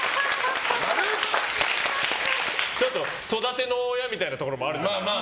ちょっと育ての親みたいなところもあるじゃない？